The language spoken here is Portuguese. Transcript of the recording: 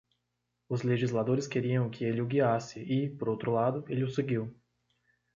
Os legisladores queriam que ele o guiasse e, por outro lado, ele o seguiu.